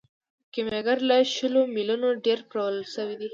کیمیاګر له شلو میلیونو ډیر پلورل شوی دی.